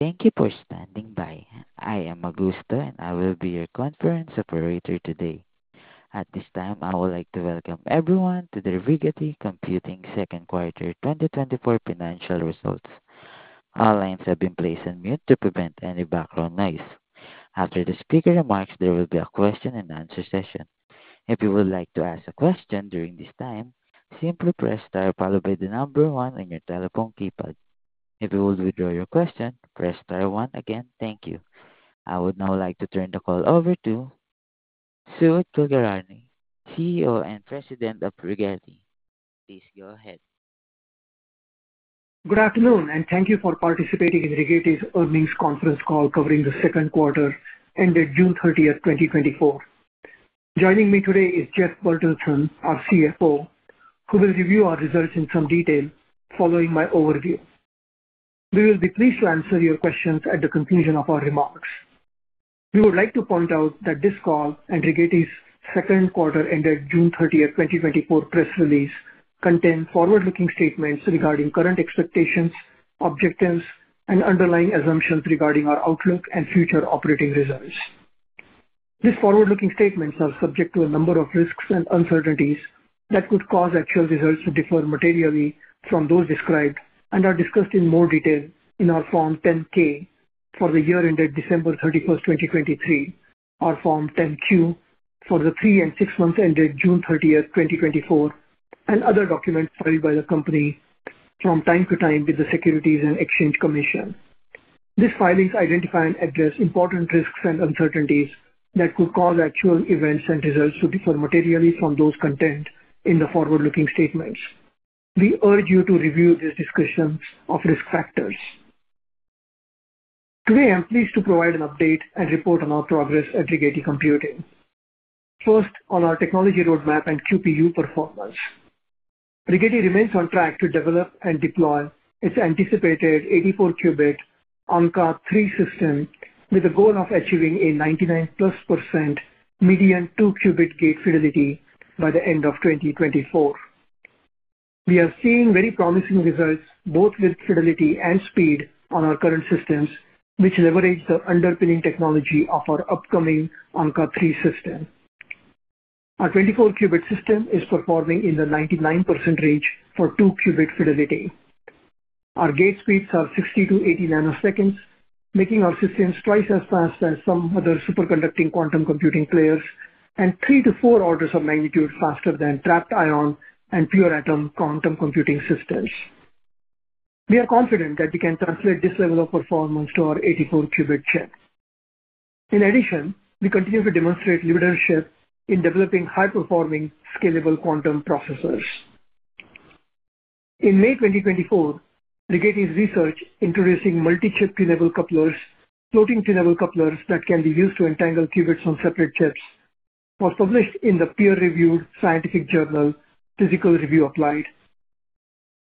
Thank you for standing by. I am Augusto, and I will be your conference operator today. At this time, I would like to welcome everyone to the Rigetti Computing second quarter 2024 financial results. All lines have been placed on mute to prevent any background noise. After the speaker remarks, there will be a question-and-answer session. If you would like to ask a question during this time, simply press star followed by the number one on your telephone keypad. If you would withdraw your question, press star one again. Thank you. I would now like to turn the call over to Subodh Kulkarni, CEO and President of Rigetti. Please go ahead. Good afternoon and thank you for participating in Rigetti's earnings conference call covering the second quarter ended 30 June 2024. Joining me today is Jeff Bertelsen, our CFO, who will review our results in some detail following my overview. We will be pleased to answer your questions at the conclusion of our remarks. We would like to point out that this call and Rigetti's second quarter ended 30 June 2024 press release contain forward-looking statements regarding current expectations, objectives, and underlying assumptions regarding our outlook and future operating results. These forward-looking statements are subject to a number of risks and uncertainties that could cause actual results to differ materially from those described and are discussed in more detail in our Form 10-K for the year ended 31 December 2023, our Form 10-Q for the three and six months ended 30 June 2024, and other documents filed by the company from time to time with the Securities and Exchange Commission. These filings identify and address important risks and uncertainties that could cause actual events and results to differ materially from those contained in the forward-looking statements. We urge you to review these discussions of risk factors. Today, I'm pleased to provide an update and report on our progress at Rigetti Computing. First, on our technology roadmap and QPU performance. Rigetti remains on track to develop and deploy its anticipated 84-qubit Ankaa-3 system with the goal of achieving a 99%+ median two-qubit gate fidelity by the end of 2024. We are seeing very promising results, both with fidelity and speed on our current systems, which leverage the underpinning technology of our upcoming Ankaa-3 system. Our 24-qubit system is performing in the 99% range for two-qubit fidelity. Our gate speeds are 60 to 80 nanoseconds, making our systems twice as fast as some other superconducting quantum computing players and three to four orders of magnitude faster than trapped ion and pure atom quantum computing systems. We are confident that we can translate this level of performance to our 84-qubit chip. In addition, we continue to demonstrate leadership in developing high-performing, scalable quantum processors. In May 2024, Rigetti's research introducing multi-chip tunable couplers, floating tunable couplers that can be used to entangle qubits on separate chips, was published in the peer-reviewed scientific journal, Physical Review Applied.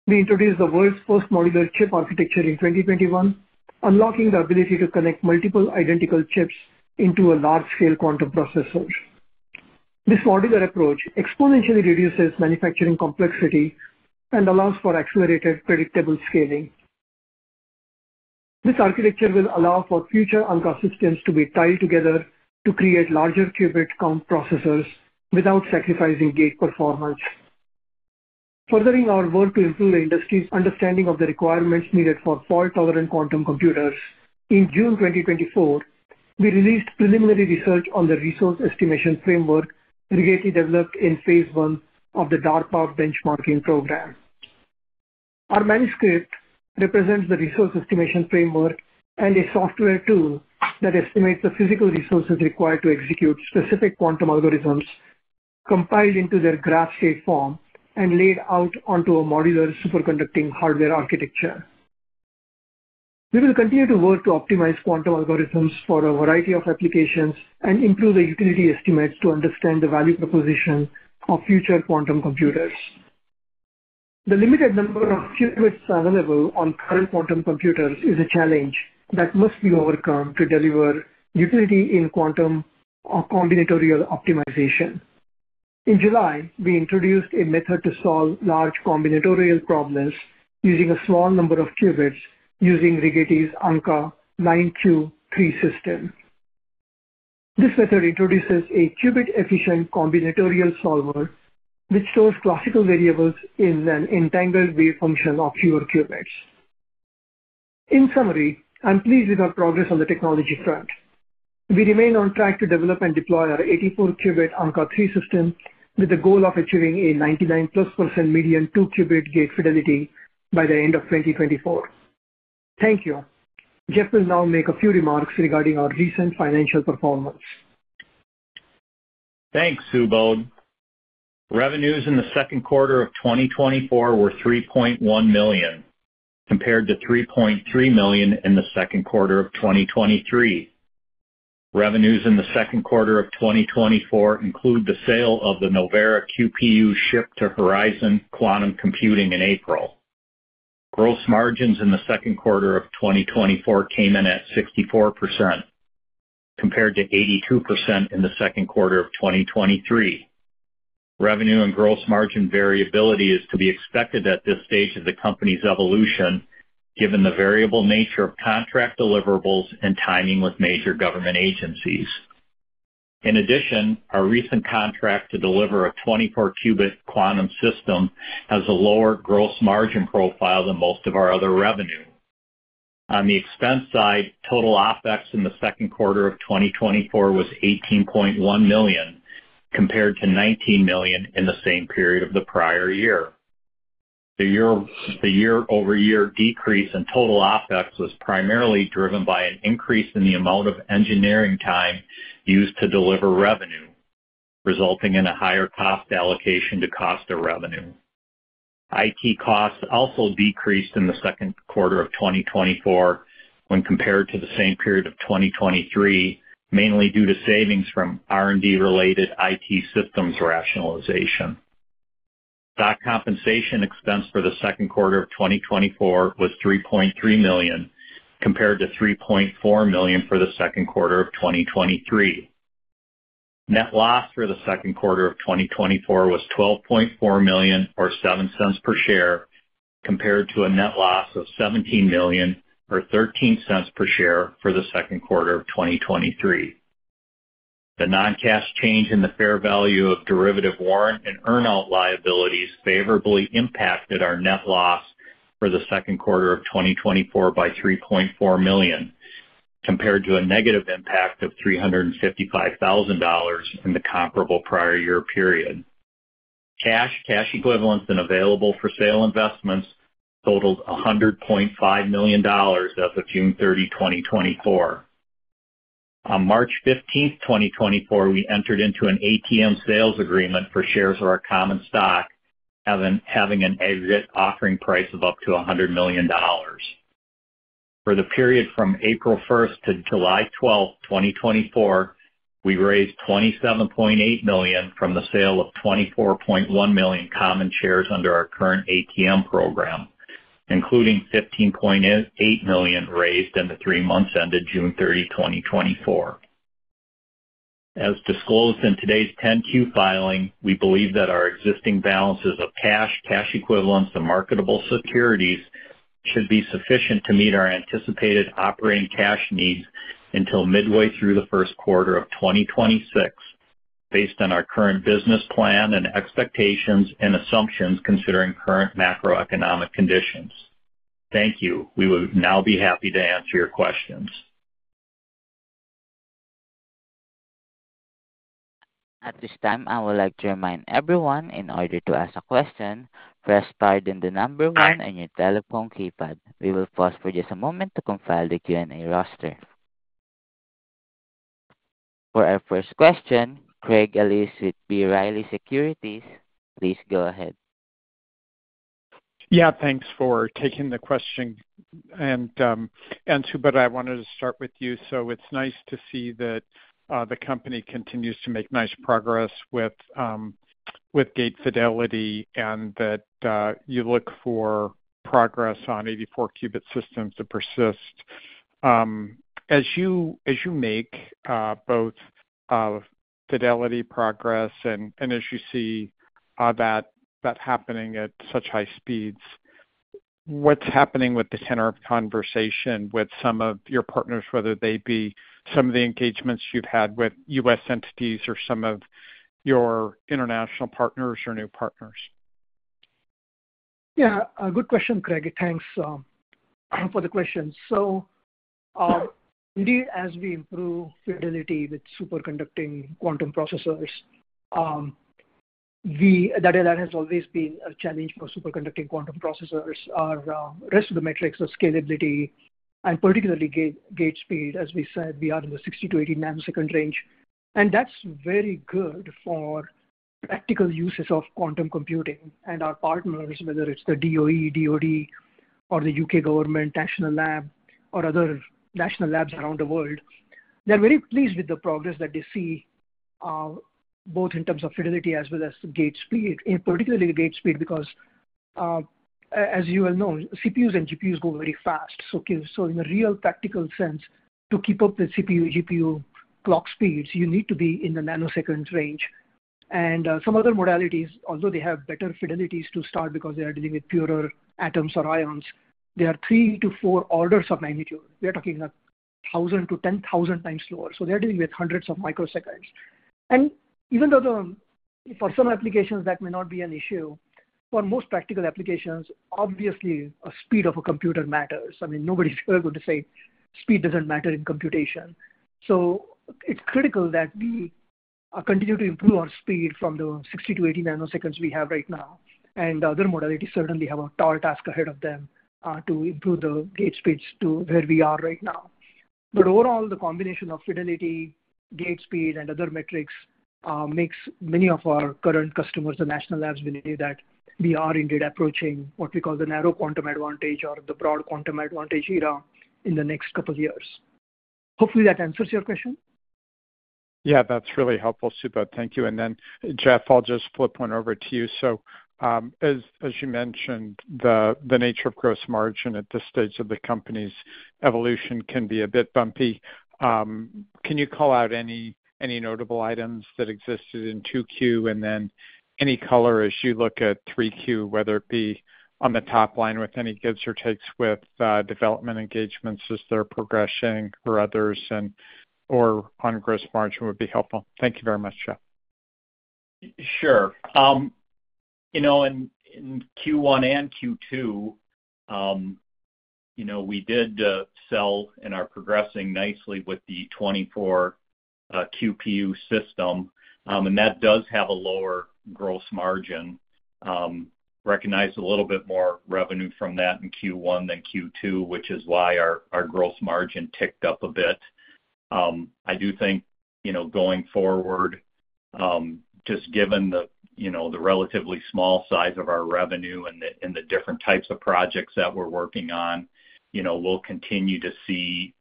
We introduced the world's first modular chip architecture in 2021, unlocking the ability to connect multiple identical chips into a large-scale quantum processor. This modular approach exponentially reduces manufacturing complexity and allows for accelerated, predictable scaling. This architecture will allow for future Ankaa systems to be tiled together to create larger qubit count processors without sacrificing gate performance. Furthering our work to improve the industry's understanding of the requirements needed for fault-tolerant quantum computers, in June 2024, we released preliminary research on the resource estimation framework Rigetti developed in phase one of the DARPA benchmarking program. Our manuscript represents the resource estimation framework and a software tool that estimates the physical resources required to execute specific quantum algorithms compiled into their graph state form and laid out onto a modular superconducting hardware architecture. We will continue to work to optimize quantum algorithms for a variety of applications and improve the utility estimates to understand the value proposition of future quantum computers. The limited number of qubits available on current quantum computers is a challenge that must be overcome to deliver utility in quantum or combinatorial optimization. In July, we introduced a method to solve large combinatorial problems using a small number of qubits, using Rigetti's Ankaa-9Q-3 system. This method introduces a qubit-efficient combinatorial solver, which stores classical variables in an entangled wave function of fewer qubits. In summary, I'm pleased with our progress on the technology front. We remain on track to develop and deploy our 84-qubit Ankaa-3 system with the goal of achieving a 99%+ median two-qubit gate fidelity by the end of 2024. Thank you. Jeff will now make a few remarks regarding our recent financial performance. Thanks, Subodh. Revenues in the second quarter of 2024 were $3.1 million, compared to $3.3 million in the second quarter of 2023. Revenues in the second quarter of 2024 include the sale of the Novera QPU chip to Horizon Quantum Computing in April. Gross margins in the second quarter of 2024 came in at 64%, compared to 82% in the second quarter of 2023. Revenue and gross margin variability is to be expected at this stage of the company's evolution, given the variable nature of contract deliverables and timing with major government agencies. In addition, our recent contract to deliver a 24-qubit quantum system has a lower gross margin profile than most of our other revenue. On the expense side, total OpEx in the second quarter of 2024 was $18.1 million, compared to $19 million in the same period of the prior year. The year-over-year decrease in total OpEx was primarily driven by an increase in the amount of engineering time used to deliver revenue, resulting in a higher cost allocation to cost of revenue. IT costs also decreased in the second quarter of 2024 when compared to the same period of 2023, mainly due to savings from R&D-related IT systems rationalization. Stock compensation expense for the second quarter of 2024 was $3.3 million, compared to $3.4 million for the second quarter of 2023. Net loss for the second quarter of 2024 was $12.4 million, or $0.07 per share, compared to a net loss of $17 million, or $0.13 per share for the second quarter of 2023. The non-cash change in the fair value of derivative warrant and earnout liabilities favorably impacted our net loss for the second quarter of 2024 by $3.4 million, compared to a negative impact of $355,000 in the comparable prior year period. Cash, cash equivalents, and available-for-sale investments totaled $100.5 million as of 30 June 2024. On 15 March 2024, we entered into an ATM sales agreement for shares of our common stock, having an exit offering price of up to $100 million. For the period from 1 April 2024 to 12 July 2024, we raised $27.8 million from the sale of 24.1 million common shares under our current ATM program, including $15.8 million raised in the three months ended 30 June 2024. As disclosed in today's 10-Q filing, we believe that our existing balances of cash, cash equivalents, and marketable securities should be sufficient to meet our anticipated operating cash needs until midway through the first quarter of 2026, based on our current business plan and expectations and assumptions considering current macroeconomic conditions. Thank you. We would now be happy to answer your questions. At this time, I would like to remind everyone in order to ask a question, press star, then the number one on your telephone keypad. We will pause for just a moment to compile the Q&A roster. For our first question, Craig Ellis with B. Riley Securities. Please go ahead. Yeah, thanks for taking the question. Subodh, I wanted to start with you. It's nice to see that the company continues to make nice progress with gate fidelity and that you look for progress on 84-qubit systems to persist. As you make both fidelity progress and as you see that happening at such high speeds, what's happening with the center of conversation with some of your partners, whether they be some of the engagements you've had with US entities or some of your international partners or new partners? Yeah, a good question, Craig. Thanks, for the question. So, indeed, as we improve fidelity with superconducting quantum processors, that, that has always been a challenge for superconducting quantum processors. Our rest of the metrics are scalability and particularly gate speed. As we said, we are in the 60 to 80 nanoseconds range, and that's very good for practical uses of quantum computing. And our partners, whether it's the DOE, DOD or the UK government, national lab or other national labs around the world, they're very pleased with the progress that they see, both in terms of fidelity as well as gate speed, and particularly gate speed, because, as you well know, CPUs and GPUs go very fast. So in a real practical sense, to keep up with CPU, GPU clock speeds, you need to be in the nanoseconds range. And, some other modalities, although they have better fidelities to start because they are dealing with purer atoms or ions, they are three to four orders of magnitude. We are talking about 1,000 to 10,000 times slower, so they're dealing with hundreds of microseconds. And even though, for some applications, that may not be an issue, for most practical applications, obviously, a speed of a computer matters. I mean, nobody's ever going to say speed doesn't matter in computation. So, it's critical that we, continue to improve our speed from the 60 to 80 nanoseconds we have right now. And other modalities certainly have a tall task ahead of them, to improve the gate speeds to where we are right now. But overall, the combination of fidelity, gate speed, and other metrics makes many of our current customers, the National Labs, believe that we are indeed approaching what we call the narrow quantum advantage or the broad quantum advantage era in the next couple of years. Hopefully, that answers your question. Yeah, that's really helpful, Subodh. Thank you. And then, Jeff, I'll just flip one over to you. So, as you mentioned, the nature of gross margin at this stage of the company's evolution can be a bit bumpy. Can you call out any notable items that existed in 2Q, and then any color as you look at 3Q, whether it be on the top line with any gives or takes with development engagements, is there a progression or others or on gross margin would be helpful. Thank you very much, Jeff. Sure. You know, in, in first quarter and second quarter, you know, we did sell and are progressing nicely with the 24 QPU system, and that does have a lower gross margin. Recognized a little bit more revenue from that in first quarter than second quarter, which is why our, our gross margin ticked up a bit. I do think, you know, going forward, just given the, you know, the relatively small size of our revenue and the, and the different types of projects that we're working on, you know, we'll continue to see,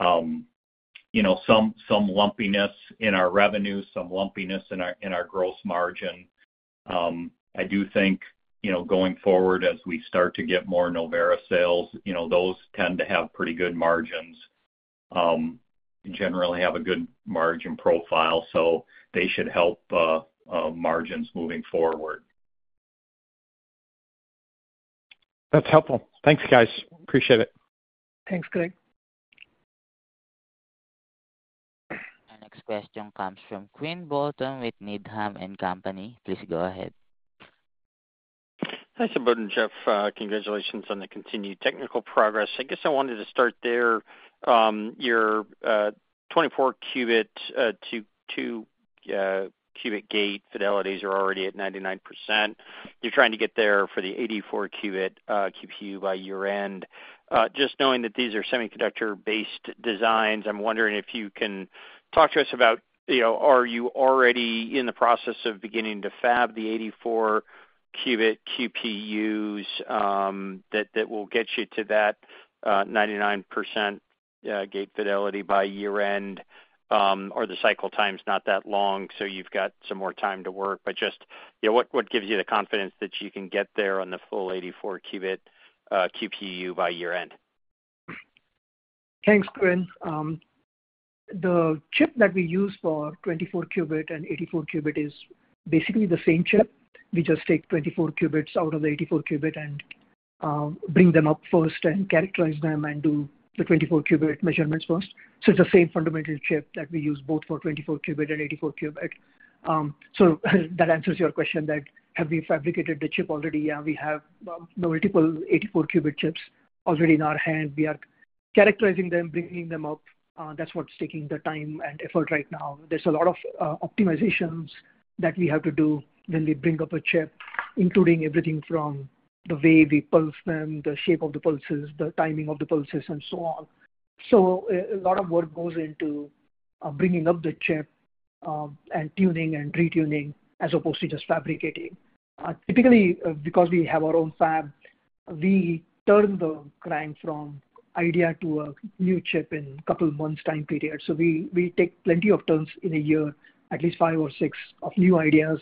you know, some, some lumpiness in our revenue, some lumpiness in our, in our gross margin. I do think, you know, going forward, as we start to get more Novera sales, you know, those tend to have pretty good margins. Generally, have a good margin profile, so they should help margins moving forward. That's helpful. Thanks, guys. Appreciate it. Thanks, Craig. Our next question comes from Quinn Bolton with Needham & Company. Please go ahead. Thanks, Subodh and Jeff. Congratulations on the continued technical progress. I guess I wanted to start there. Your 24-qubit two-qubit gate fidelities are already at 99%. You're trying to get there for the 84-qubit QPU by year-end. Just knowing that these are semiconductor-based designs, I'm wondering if you can talk to us about, you know, are you already in the process of beginning to fab the 84-qubit QPUs that will get you to that 99% gate fidelity by year-end? Or the cycle time's not that long, so you've got some more time to work. But just, you know, what gives you the confidence that you can get there on the full 84-qubit QPU by year-end? Thanks, Quinn. The chip that we use for 24-qubit and 84-qubit is basically the same chip. We just take 24 qubits out of the 84-qubit and bring them up first and characterize them and do the 24-qubit measurements first. So it's the same fundamental chip that we use both for 24-qubit and 84-qubit. So that answers your question that, have we fabricated the chip already? Yeah, we have the multiple 84-qubit chips already in our hand. We are characterizing them, bringing them up. That's what's taking the time and effort right now. There's a lot of optimizations that we have to do when we bring up a chip, including everything from the way we pulse them, the shape of the pulses, the timing of the pulses and so on. So, a lot of work goes into bringing up the chip and tuning and retuning, as opposed to just fabricating. Typically, because we have our own fab, we turn the crank from idea to a new chip in a couple of months' time period. So, we take plenty of turns in a year, at least five or six, of new ideas.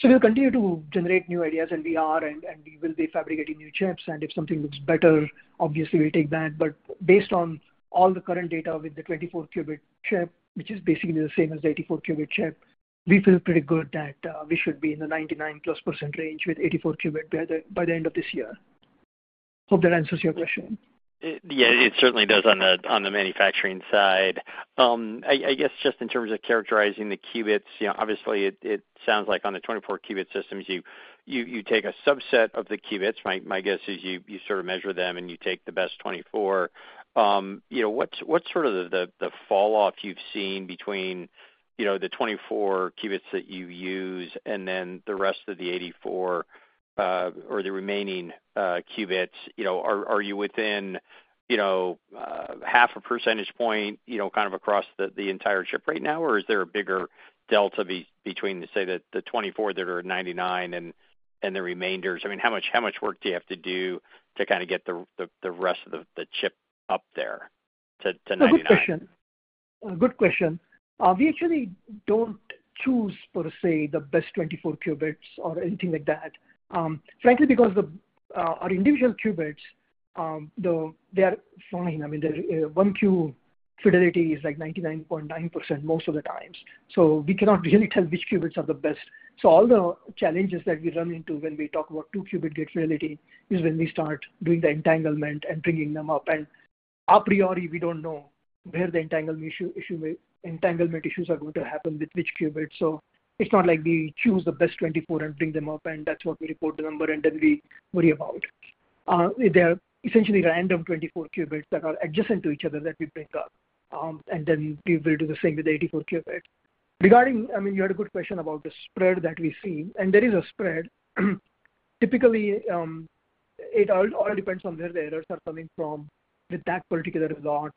So, we'll continue to generate new ideas, and we will be fabricating new chips, and if something looks better, obviously we take that. But based on all the current data with the 24-qubit chip, which is basically the same as the 84-qubit chip, we feel pretty good that we should be in the 99%+ range with 84-qubit by the end of this year. Hope that answers your question. Yeah, it certainly does on the, on the manufacturing side. I guess just in terms of characterizing the qubits, you know, obviously it sounds like on the 24-qubit systems, you take a subset of the qubits. My guess is you sort of measure them, and you take the best 24. You know, what's the fall off you've seen between the 24 qubits that you use and then the rest of the 84, or the remaining qubits? You know, are you within half a percentage point across the entire chip right now? Or is there a bigger delta between, say, the 24 that are 99 and the remainders? I mean, how much work do you have to do to kinda get the rest of the chip up there to 99? Good question. Good question. We actually don't choose, per se, the best 24 qubits or anything like that. Frankly, because our individual qubits, they are fine. I mean, the one-qubit fidelity is, like, 99.9% most of the times. So, we cannot really tell which qubits are the best. So, all the challenges that we run into when we talk about two-qubit gate fidelity is when we start doing the entanglement and bringing them up. And a priori, we don't know where the entanglement issues are going to happen with which qubits. So, it's not like we choose the best 24 and bring them up, and that's what we report the number, and then we worry about. They are essentially random 24 qubits that are adjacent to each other that we pick up. And then we will do the same with the 84-qubit. Regarding... I mean, you had a good question about the spread that we see, and there is a spread. Typically, it all depends on where the errors are coming from with that particular lot.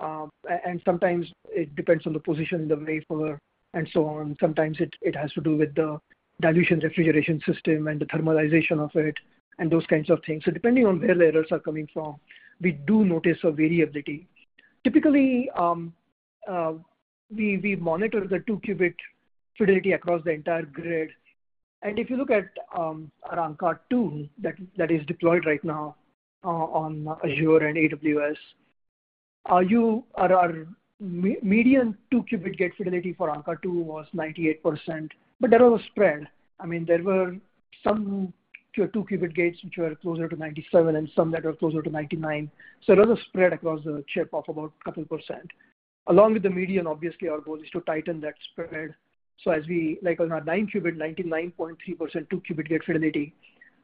And sometimes it depends on the position of the wafer and so on. Sometimes it has to do with the dilution refrigeration system and the thermalization of it and those kinds of things. So depending on where errors are coming from, we do notice a variability. Typically, we monitor the two-qubit fidelity across the entire grid. And if you look at our Ankaa-2, that is deployed right now on Azure and AWS, our median two-qubit gate fidelity for Ankaa-2 was 98%, but there was a spread. I mean, there were some two-qubit gates which were closer to 97% and some that were closer to 99%. So there was a spread across the chip of about 2%. Along with the median, obviously, our goal is to tighten that spread. So as we, like on our nine-qubit, 99.3% two-qubit gate fidelity,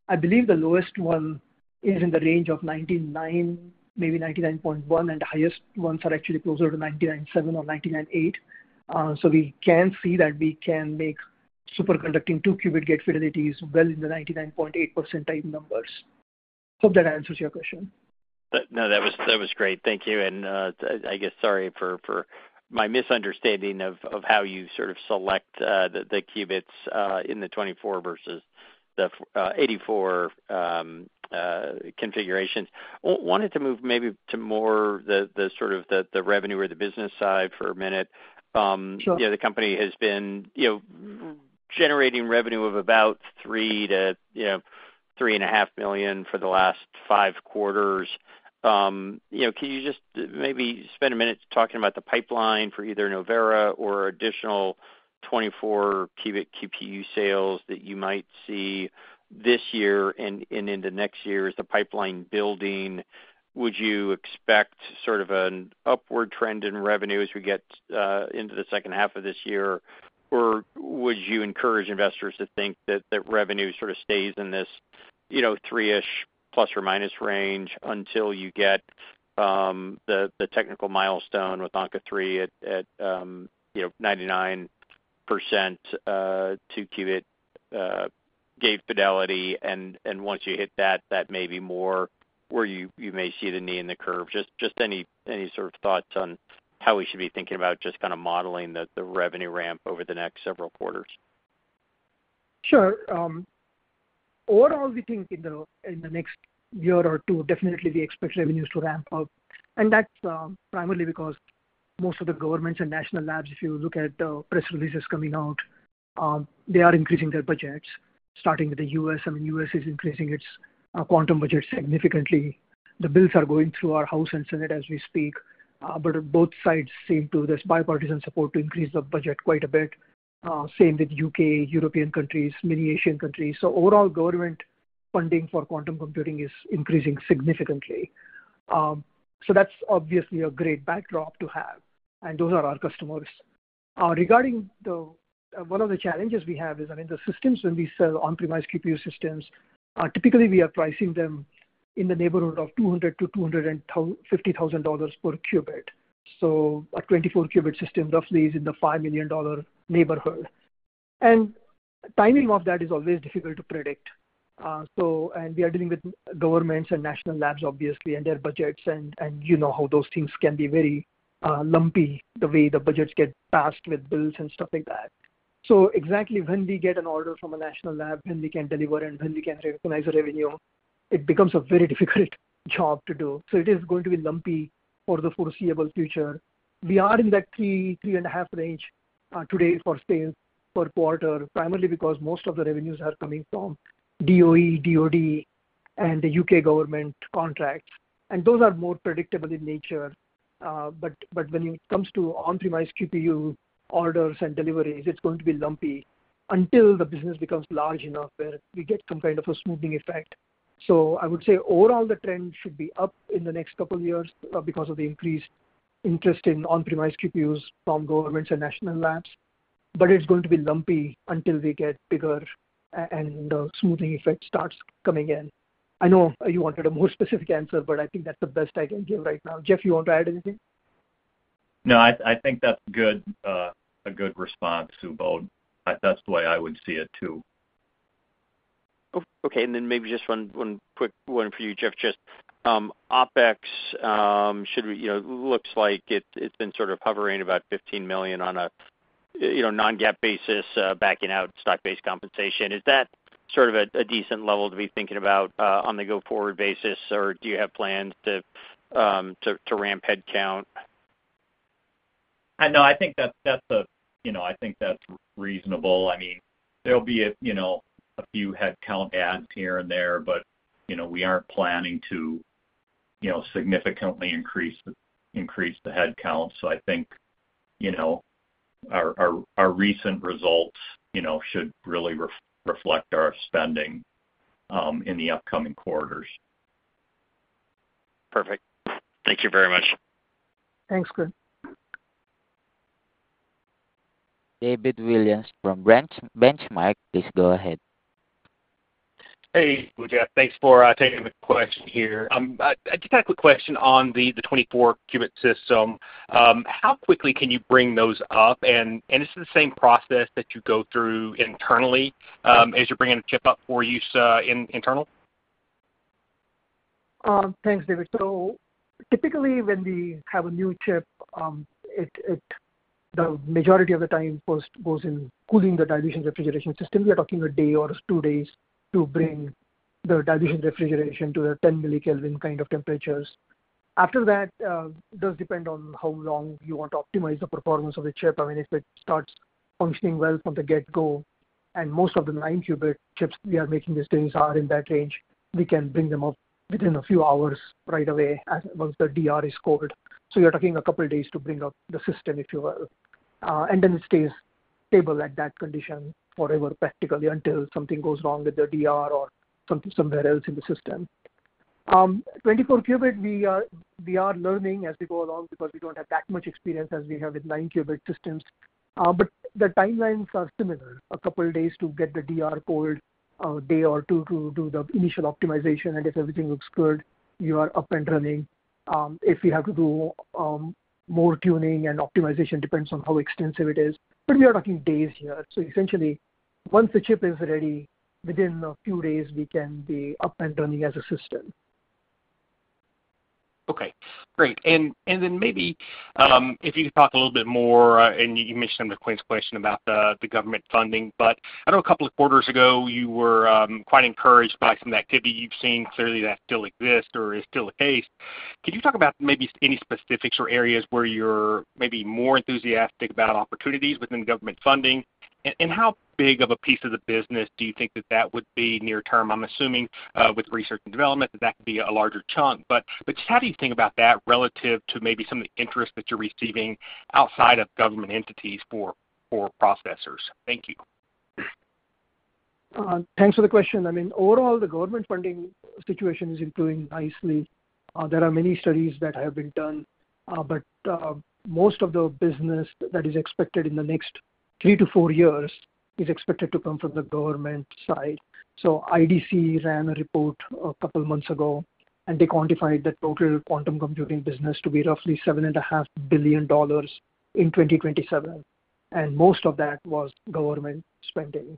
I believe the lowest one is in the range of 99%, maybe 99.1%, and the highest ones are actually closer to 99.7% or 99.8%. So we can see that we can make superconducting two-qubit gate fidelities well in the 99.8% type numbers. Hope that answers your question. No, that was, that was great. Thank you. And, I guess sorry for my misunderstanding of how you sort of select the qubits in the 24 versus the 84 configurations. Wanted to move maybe to more the sort of the revenue or the business side for a minute. Sure. You know, the company has been, you know, generating revenue of about $3 to 3.5 million for the last five quarters. You know, can you just maybe spend a minute talking about the pipeline for either Novera or additional 24-qubit QPU sales that you might see this year and into next year? Is the pipeline building? Would you expect sort of an upward trend in revenue as we get into the second half of this year? Or would you encourage investors to think that that revenue sort of stays in this, you know, three-ish plus minus range until you get the technical milestone with Ankaa-3 at, you know, 99% two-qubit gate fidelity, and once you hit that, that may be more where you may see the knee in the curve? Just any sort of thoughts on how we should be thinking about just kind of modeling the revenue ramp over the next several quarters. Sure. Overall, we think in the next year or two, definitely we expect revenues to ramp up. That's primarily because most of the governments and national labs, if you look at press releases coming out, they are increasing their budgets, starting with the US I mean, US is increasing its quantum budget significantly. The bills are going through our House and Senate as we speak, but both sides seem to there's bipartisan support to increase the budget quite a bit. Same with UK, European countries, many Asian countries. So overall, government funding for quantum computing is increasing significantly. So that's obviously a great backdrop to have, and those are our customers. Regarding the one of the challenges we have is, I mean, the systems, when we sell on-premise QPU systems, typically we are pricing them in the neighborhood of $200,000 to 250,000 per qubit. So, a 24-qubit system, roughly, is in the $5 million neighborhood. And timing of that is always difficult to predict. So, and we are dealing with governments and national labs, obviously, and their budgets, and you know how those things can be very lumpy, the way the budgets get passed with bills and stuff like that. So, exactly when we get an order from a national lab, when we can deliver and when we can recognize the revenue, it becomes a very difficult job to do. So it is going to be lumpy for the foreseeable future. We are in that $3 to 3.5 million range today for sales per quarter, primarily because most of the revenues are coming from DOE, DOD, and the UK government contracts, and those are more predictable in nature. But when it comes to on-premise QPU orders and deliveries, it's going to be lumpy until the business becomes large enough where we get some kind of a smoothing effect. So, I would say overall, the trend should be up in the next couple of years, because of the increased interest in on-premise QPUs from governments and national labs. But it's going to be lumpy until we get bigger and the smoothing effect starts coming in. I know you wanted a more specific answer, but I think that's the best I can give right now. Jeff, you want to add anything? No, I, I think that's good, a good response, Subodh. That's the way I would see it, too. Okay, and then maybe just one quick one for you, Jeff. Just OpEx, should we? You know, looks like it, it's been sort of hovering about $15 million on a you know, non-GAAP basis, backing out stock-based compensation. Is that sort of a decent level to be thinking about on the go-forward basis, or do you have plans to ramp headcount? No, I think that's... You know, I think that's reasonable. I mean, there'll be a, you know, a few headcount adds here and there, but, you know, we aren't planning to, you know, significantly increase the headcount. So I think, you know, our recent results, you know, should really reflect our spending in the upcoming quarters. Perfect. Thank you very much. Thanks, Quinn. David Williams from Benchmark, please go ahead. Hey, Jeff, thanks for taking the question here. I just had a quick question on the 24-qubit system. How quickly can you bring those up? And is it the same process that you go through internally as you're bringing a chip up for use in internal? Thanks, David. So typically, when we have a new chip, the majority of the time goes in cooling the dilution refrigeration system. We are talking a day or two days to bring the dilution refrigeration to a 10-millikelvin kind of temperatures. After that, it does depend on how long you want to optimize the performance of the chip. I mean, if it starts functioning well from the get-go, and most of the nine-qubit chips we are making these days are in that range, we can bring them up within a few hours, right away, once the DR is cold. So, you're talking a couple of days to bring up the system, if you will. And then it stays stable at that condition forever, practically, until something goes wrong with the DR or somewhere else in the system. 24-qubit, we are, we are learning as we go along because we don't have that much experience as we have with nine-qubit systems. But the timelines are similar. A couple of days to get the DR cold, a day or two to do the initial optimization, and if everything looks good, you are up and running. If you have to do more tuning and optimization, depends on how extensive it is, but we are talking days here. So essentially, once the chip is ready, within a few days, we can be up and running as a system. Okay, great. And then maybe, if you could talk a little bit more, and you mentioned in Quinn's question about the government funding, but I know a couple of quarters ago you were quite encouraged by some activity you've seen. Clearly, that still exists or is still the case. Can you talk about maybe any specifics or areas where you're maybe more enthusiastic about opportunities within government funding? And how big of a piece of the business do you think that that would be near term? I'm assuming, with research and development, that that could be a larger chunk. But just how do you think about that relative to maybe some of the interest that you're receiving outside of government entities for processors? Thank you. Thanks for the question. I mean, overall, the government funding situation is improving nicely. There are many studies that have been done, but most of the business that is expected in the next three to four years is expected to come from the government side. So IDC ran a report a couple of months ago, and they quantified the total quantum computing business to be roughly $7.5 billion in 2027, and most of that was government spending.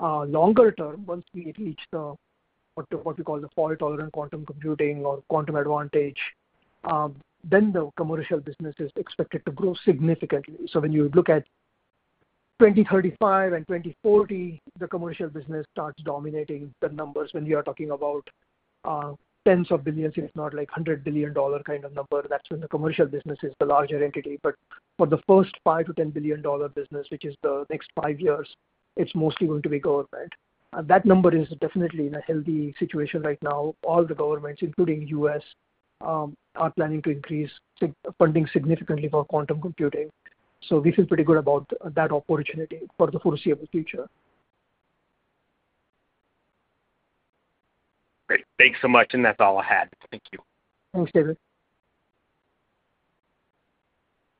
Longer term, once we reach what we call the fault-tolerant quantum computing or quantum advantage, then the commercial business is expected to grow significantly. So, when you look at 2035 and 2040, the commercial business starts dominating the numbers. When we are talking about tens of billions, if not like $100 billion kind of number, that's when the commercial business is the larger entity. But for the first $5 to 10 billion business, which is the next five years, it's mostly going to be government. That number is definitely in a healthy situation right now. All the governments, including US, are planning to increase funding significantly for quantum computing. So we feel pretty good about that opportunity for the foreseeable future. Great. Thanks so much, and that's all I had. Thank you. Thanks, David.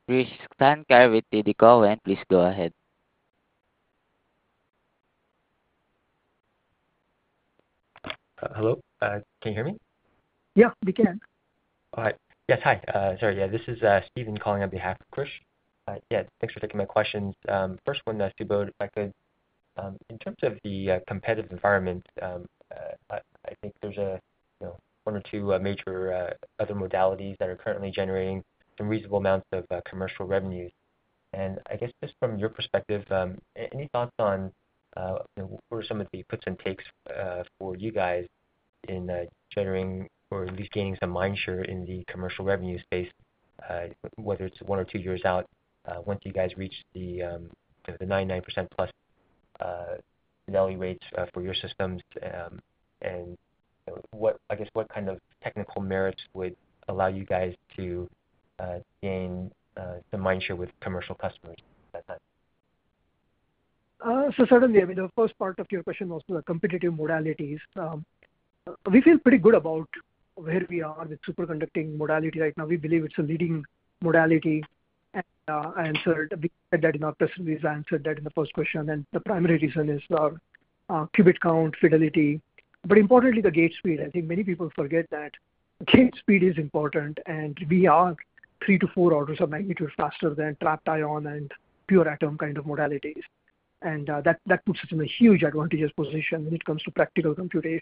Krish Sankar with TD Cowen, please go ahead. Hello? Can you hear me? Yeah, we can. All right. Yes, hi. Sorry. Yeah, this is Steven calling on behalf of Krish. Yeah, thanks for taking my questions. First one to Subodh, if I could. In terms of the competitive environment, I think there's, you know, one or two major other modalities that are currently generating some reasonable amounts of commercial revenues. And I guess just from your perspective, any thoughts on what are some of the puts and takes for you guys in generating or at least gaining some minds share in the commercial revenue space, whether it's one or two years out, once you guys reach the 99%+ fidelity rates for your systems, and what... I guess, what kind of technical merits would allow you guys to gain the mind share with commercial customers at that time? So certainly, I mean, the first part of your question was the competitive modalities. We feel pretty good about where we are with superconducting modality right now. We believe it's a leading modality, and I answered that in our press release, I answered that in the first question, and the primary reason is the qubit count, fidelity, but importantly, the gate speed. I think many people forget that gate speed is important, and we are three to four orders of magnitude faster than trapped ion and pure atom kind of modalities. And that, that puts us in a huge advantageous position when it comes to practical computing.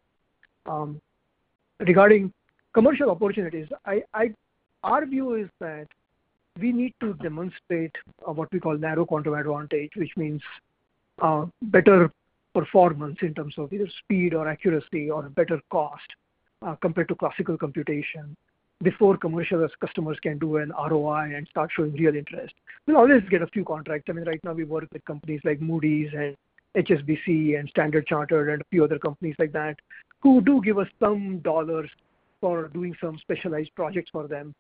Regarding commercial opportunities, our view is that we need to demonstrate what we call narrow quantum advantage, which means better performance in terms of either speed or accuracy or better cost compared to classical computation, before commercial customers can do an ROI and start showing real interest. We always get a few contracts. I mean, right now we work with companies like Moody's and HSBC and Standard Chartered and a few other companies like that, who do give us some dollars for doing some specialized projects for them.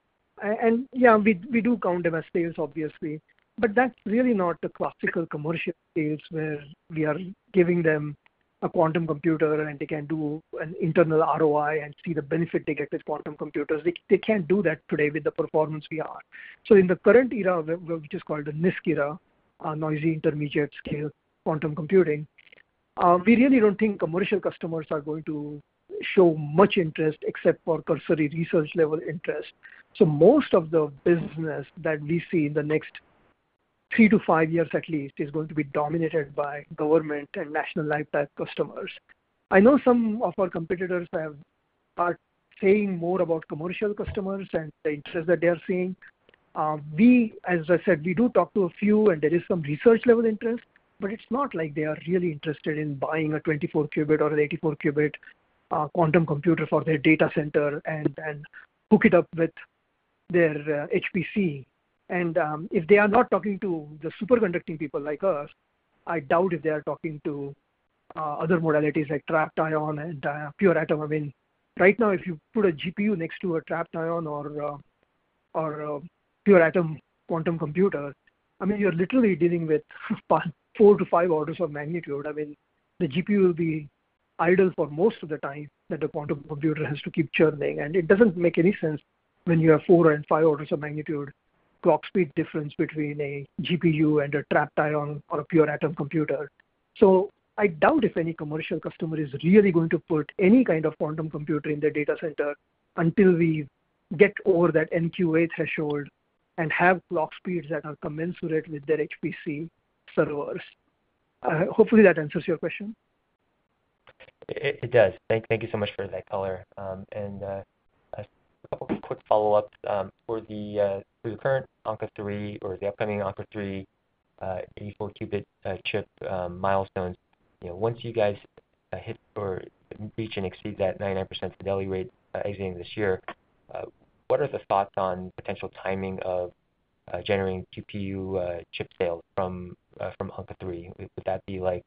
Yeah, we do count them as sales, obviously, but that's really not the classical commercial space where we are giving them a quantum computer, and they can do an internal ROI and see the benefit they get with quantum computers. They can't do that today with the performance we are. So, in the current era, which is called the NISQ era, Noisy Intermediate-Scale Quantum Computing, we really don't think commercial customers are going to show much interest except for cursory research-level interest. So, most of the business that we see in the next three to five years, at least, is going to be dominated by government and national lab type customers. I know some of our competitors are saying more about commercial customers and the interest that they are seeing. We, as I said, we do talk to a few, and there is some research level interest, but it's not like they are really interested in buying a 24-qubit or an 84-qubit quantum computer for their data center and hook it up with their HPC. If they are not talking to the superconducting people like us, I doubt if they are talking to other modalities like trapped ion and pure atom. I mean, right now, if you put a GPU next to a trapped ion or pure atom quantum computer, I mean, you're literally dealing with four to five orders of magnitude. I mean, the GPU will be idle for most of the time that the quantum computer has to keep churning, and it doesn't make any sense when you have four and five orders of magnitude clock speed difference between a GPU and a trapped ion or a pure atom computer. So, I doubt if any commercial customer is really going to put any kind of quantum computer in their data center until we get over that NQA threshold and have clock speeds that are commensurate with their HPC servers. Hopefully, that answers your question. It does. Thank you so much for that color. And a couple quick follow-ups. For the current Ankaa-3 or the upcoming Ankaa-3, 84-qubit chip milestone, you know, once you guys hit or reach and exceed that 99% fidelity rate ending this year, what are the thoughts on potential timing of generating QPU chip sales from Ankaa-3? Would that be like,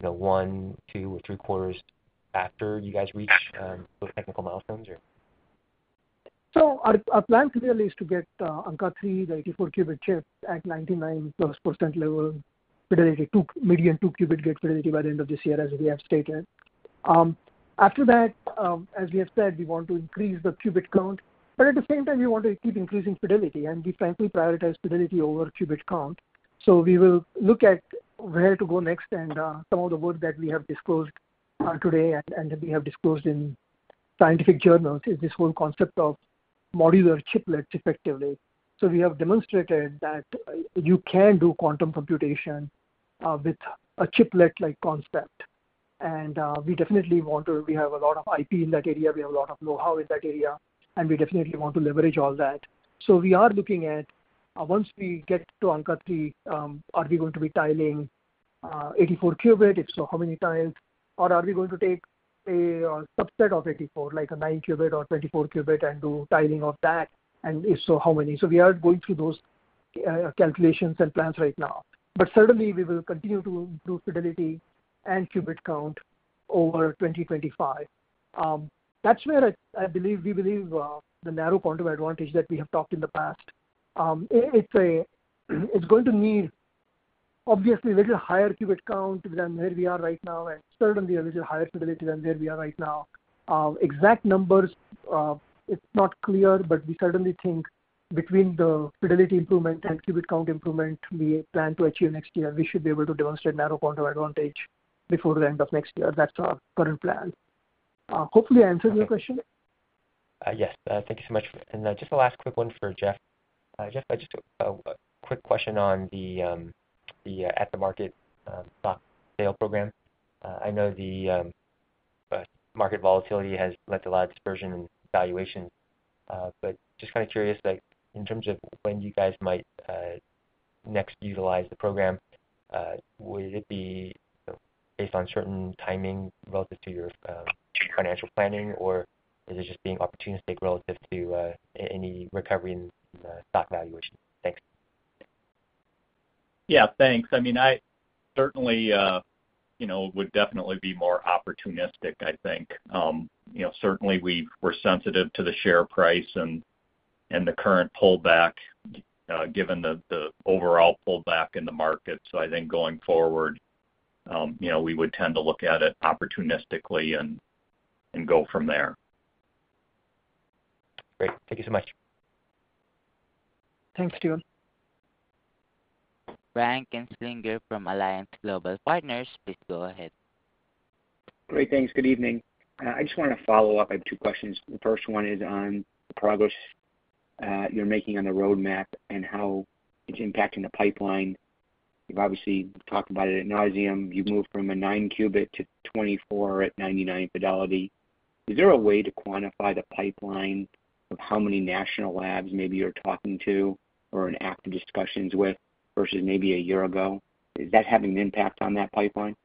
you know, one, two, or three quarters after you guys reach those technical milestones or? So, our plan clearly is to get Ankaa-3, the 84-qubit chip, at 99%+ level, fidelity, median two-qubit gate fidelity by the end of this year, as we have stated. After that, as we have said, we want to increase the qubit count, but at the same time, we want to keep increasing fidelity, and we frankly prioritize fidelity over qubit count. So, we will look at where to go next and some of the work that we have disclosed today and that we have disclosed in scientific journals is this whole concept of modular chiplets, effectively. So, we have demonstrated that you can do quantum computation with a chiplet-like concept. We definitely want to. We have a lot of IP in that area, we have a lot of know-how in that area, and we definitely want to leverage all that. So, we are looking at, once we get to Ankaa-3, are we going to be tiling 84-qubit? If so, how many tiles? Or are we going to take a subset of 84, like a nine-qubit or 24-qubit, and do tiling of that? And if so, how many? So, we are going through those calculations and plans right now. But certainly, we will continue to improve fidelity and qubit count over 2025. That's where I believe we believe the narrow quantum advantage that we have talked about in the past. It's going to need obviously a little higher qubit count than where we are right now, and certainly a little higher fidelity than where we are right now. Exact numbers, it's not clear, but we certainly think between the fidelity improvement and qubit count improvement we plan to achieve next year, we should be able to demonstrate narrow quantum advantage before the end of next year. That's our current plan. Hopefully, I answered your question. Yes. Thank you so much. And just the last quick one for Jeff. Jeff, just a quick question on the at-the-market stock sale program. I know the market volatility has left a lot of dispersion in valuation, but just kind of curious, like, in terms of when you guys might next utilize the program, would it be based on certain timing relative to your financial planning, or is it just being opportunistic relative to any recovery in the stock valuation? Thanks. Yeah, thanks. I mean, I certainly, you know, would definitely be more opportunistic, I think. You know, certainly we're sensitive to the share price and, and the current pullback, given the, the overall pullback in the market. So, I think going forward, you know, we would tend to look at it opportunistically and, and go from there. Great. Thank you so much. Thanks, Steven. Brian Kinstlinger from Alliance Global Partners, please go ahead. Great, thanks. Good evening. I just want to follow up. I have two questions. The first one is on the progress you're making on the roadmap and how it's impacting the pipeline. You've obviously talked about it ad nauseam. You've moved from a nine-qubit to 24 at 99 fidelity. Is there a way to quantify the pipeline of how many national labs maybe you're talking to or in active discussions with versus maybe a year ago? Is that having an impact on that pipeline?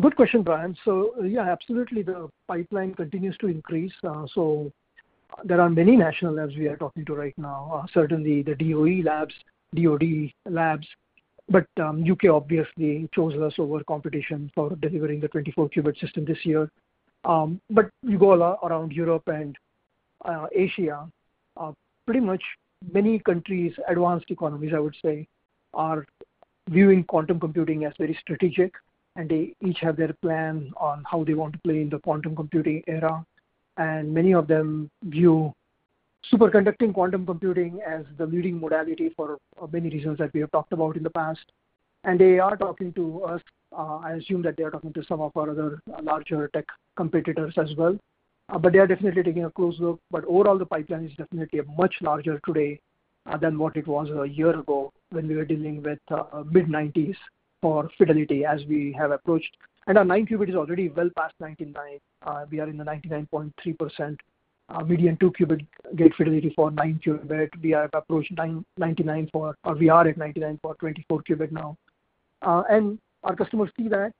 Good question, Brian. So yeah, absolutely, the pipeline continues to increase. There are many national labs we are talking to right now. Certainly, the DOE labs, DOD labs, but UK obviously chose us over competition for delivering the 24-qubit system this year. But you go around Europe and Asia, pretty much many countries, advanced economies, I would say, are viewing quantum computing as very strategic, and they each have their plan on how they want to play in the quantum computing era. And many of them view superconducting quantum computing as the leading modality for many reasons that we have talked about in the past. And they are talking to us. I assume that they are talking to some of our other larger tech competitors as well, but they are definitely taking a close look. But overall, the pipeline is definitely much larger today than what it was a year ago when we were dealing with mid-90s for fidelity, as we have approached. And our nine-qubit is already well past 99%. We are in the 99.3%. Our median two-qubit gate fidelity for nine-qubit, we have approached 99 for... or we are at 99% for 24-qubit now. And our customers see that.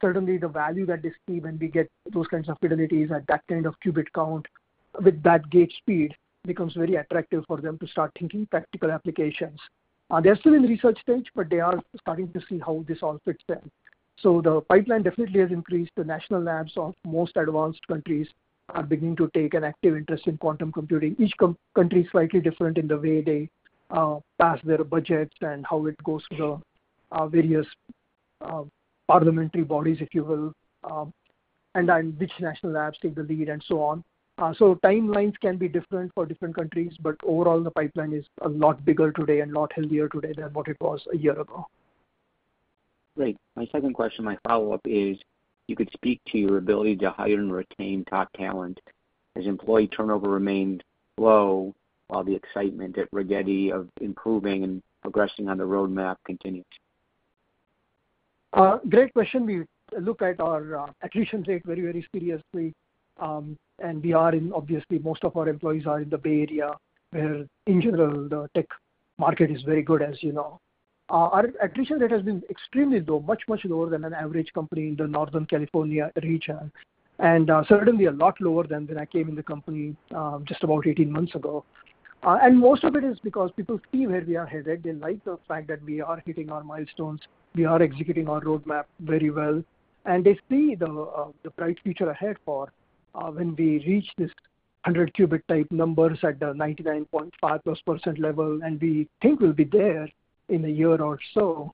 Certainly, the value that they see when we get those kinds of fidelities at that kind of qubit count with that gate speed becomes very attractive for them to start thinking practical applications. They are still in the research stage, but they are starting to see how this all fits them. So, the pipeline definitely has increased. The national labs of most advanced countries are beginning to take an active interest in quantum computing. Each country is slightly different in the way they pass their budgets and how it goes through the various parliamentary bodies, if you will, and which national labs take the lead and so on. So timelines can be different for different countries, but overall, the pipeline is a lot bigger today and a lot healthier today than what it was a year ago. Great. My second question, my follow-up is: you could speak to your ability to hire and retain top talent as employee turnover remained low, while the excitement at Rigetti of improving and progressing on the roadmap continues? Great question. We look at our attrition rate very, very seriously. Obviously, most of our employees are in the Bay Area, where in general, the tech market is very good, as you know. Our attrition rate has been extremely low, much, much lower than an average company in the Northern California region, and certainly a lot lower than when I came in the company just about 18 months ago. And most of it is because people see where we are headed. They like the fact that we are hitting our milestones, we are executing our roadmap very well, and they see the bright future ahead for when we reach this 100 qubit type numbers at the 99.5%+ level, and we think we'll be there in a year or so.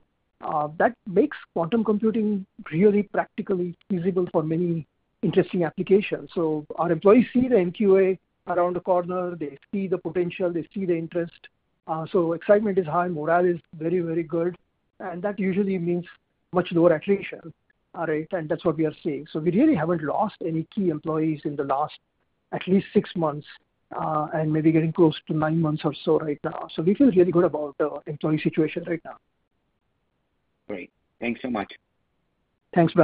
That makes quantum computing really practically feasible for many interesting applications. So, our employees see the NQA around the corner, they see the potential, they see the interest. So, excitement is high, morale is very, very good, and that usually means much lower attrition rate, and that's what we are seeing. So, we really haven't lost any key employees in the last at least six months and maybe getting close to nine months or so right now. So, we feel really good about the employee situation right now. Great. Thanks so much. Thanks, Brian.